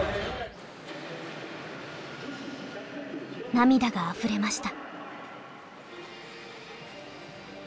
涙があふれました。